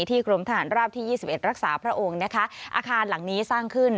กรมทหารราบที่๒๑รักษาพระองค์นะคะอาคารหลังนี้สร้างขึ้น